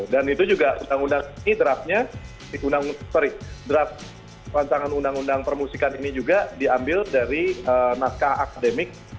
dan itu juga undang undang ini draftnya draft rancangan undang undang permusikan ini juga diambil dari naskah akademik